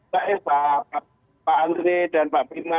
pak epa pak andre dan pak pima